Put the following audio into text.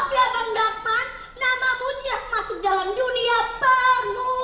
maaf ya bang dagman nama mu tidak masuk dalam dunia pemusikan